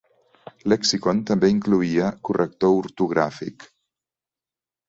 Lexicon també incloïa corrector ortogràfic.